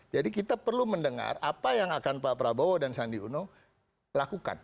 jadi kita perlu mendengar apa yang akan pak prabowo dan sandi uno lakukan